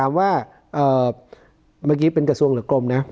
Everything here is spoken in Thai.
เมื่อกี้เป็นกระจวงเหล์กรม